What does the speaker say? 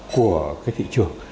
của cái thị trường